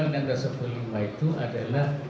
undang seribu sembilan ratus empat puluh lima itu adalah